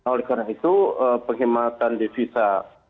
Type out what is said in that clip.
oleh karena itu penghematan devisa